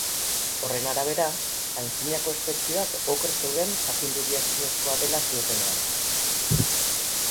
Horren arabera, antzinako eszeptikoak oker zeuden jakinduria ezinezkoa dela ziotenean.